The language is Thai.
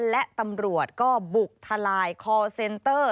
และตำรวจก็บุกทลายคอร์เซนเตอร์